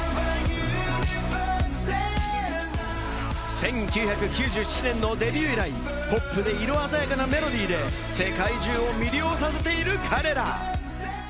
１９９７年のデビュー以来、ポップで色鮮やかなメロディーで世界中を魅了させている彼ら。